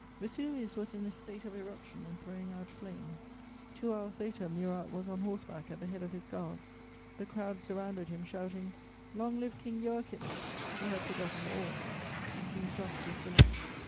Vesuvius was in a state of eruption and throwing out flames. Two hours later, Murat was on horseback at the head of his guards; the crowd surrounded him, shouting, "Long live King Joachim!" He had forgotten all; he seemed drunk with delight.